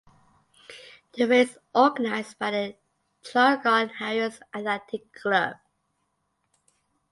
The race is organised by the Traralgon Harriers Athletic Club.